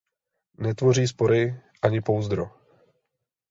Netvoří spory ani pouzdro.